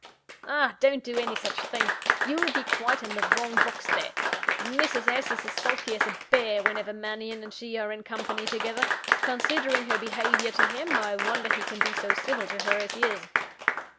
"Don't do any such thing! You'll be quite in the wrong box there. Mrs. S. is as sulky as a bear, whenever Mannion and she are in company together. Considering her behaviour to him, I wonder he can be so civil to her as he is."